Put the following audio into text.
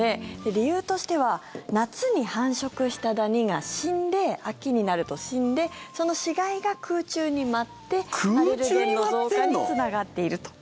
理由としては夏に繁殖したダニが死んで秋になると死んでその死骸が空中に舞ってアレルゲンの増加につながっていると。